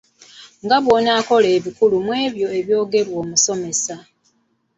Nga bw’onokola ebikulu mw’ebyo ebyogerwa omusomesa.